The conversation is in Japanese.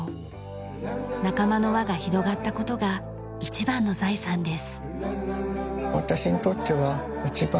仲間の輪が広がった事が一番の財産です。